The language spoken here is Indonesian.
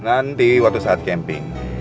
nanti waktu saat camping